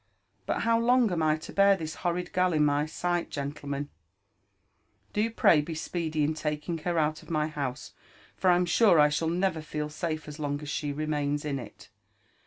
But how long am I to bear this horrid gal in my sight, gentlemen ? Do pray be speedy in taking her out of my house, for I'm sure I shall never feel safe as long as she remains in it.